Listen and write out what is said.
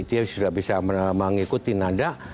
dia sudah bisa mengikuti nada